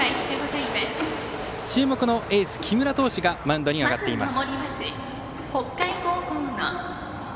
注目のエース木村投手がマウンドに上がっています。